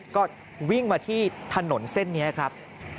ก็วิ่งมาที่ถนนเส้นนี้ครับ